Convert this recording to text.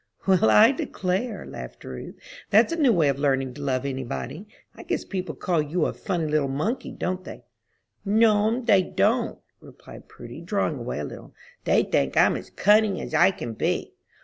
"Well, I declare," laughed Ruth, "that's a new way of learning to love any body! I guess people call you a funny little monkey, don't they?" "No'm, they don't," replied Prudy, drawing away a little, "they think I'm as cunning as I can be."